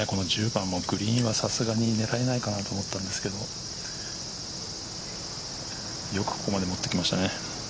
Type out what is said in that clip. １０番もグリーンはさすがに狙えないかなと思ったんですけどよくここまで持って来ましたね。